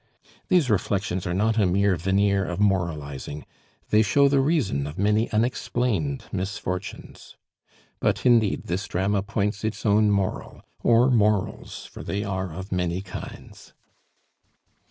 These reflections are not a mere veneer of moralizing; they show the reason of many unexplained misfortunes. But, indeed, this drama points its own moral or morals, for they are of many kinds.